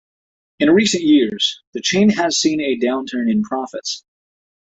In recent years, the chain has seen a downturn in profits.